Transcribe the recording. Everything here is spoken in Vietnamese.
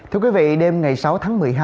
thưa quý vị đêm ngày sáu tháng một mươi hai